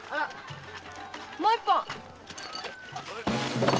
もう一本！